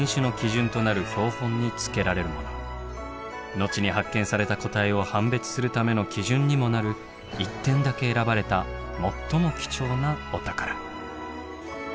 後に発見された個体を判別するための基準にもなる一点だけ選ばれた最も貴重なお宝。